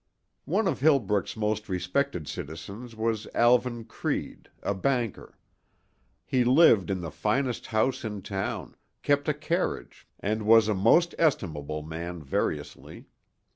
One of Hillbrook's most respected citizens was Alvan Creede, a banker. He lived in the finest house in town, kept a carriage and was a most estimable man variously.